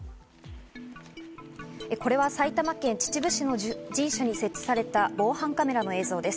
これは埼玉県秩父市の神社に設置された防犯カメラの映像です。